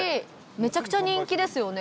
めちゃくちゃ人気ですよね